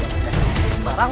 bang jangan bang